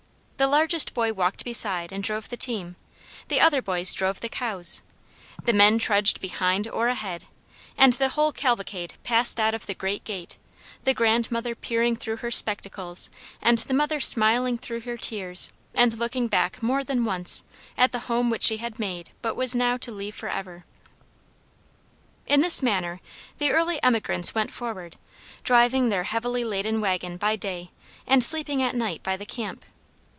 The largest boy walked beside and drove the team, the other boys drove the cows, the men trudged behind or ahead, and the whole cavalcade passed out of the great gate, the grandmother peering through her spectacles, and the mother smiling through her tears and looking back more than once at the home which she had made but was now to leave for ever. In this manner the earlier emigrants went forward, driving their heavily laden wagon by day and sleeping at night by the camp.